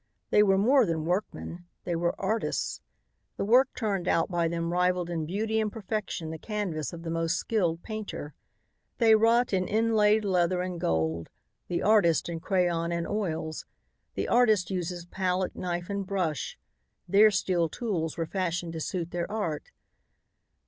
They were more than workmen; they were artists. The work turned out by them rivaled in beauty and perfection the canvas of the most skilled painter. They wrought in inlaid leather and gold; the artist in crayon and oils. The artist uses palette, knife and brush; their steel tools were fashioned to suit their art.